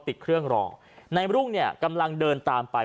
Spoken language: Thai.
ติดเครื่องรอนายรุ่งเนี่ยกำลังเดินตามไป